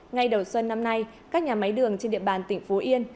ngay đầu xuân năm nay các nhà máy đường trên địa bàn tỉnh phú yên